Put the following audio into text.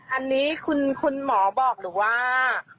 อันนี้คุณหมอบอกหรือว่า